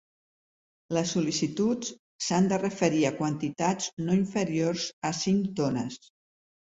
Les sol·licituds s'han de referir a quantitats no inferiors a cinc tones.